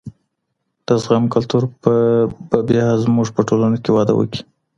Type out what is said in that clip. د زغم کلتور به بیا زمونږ په ټولنه کي وده وکړي.